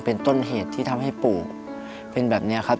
เป็นต้นเหตุที่ทำให้ปู่เป็นแบบนี้ครับ